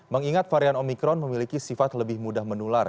mengingat varian omikron memiliki sifat lebih mudah menular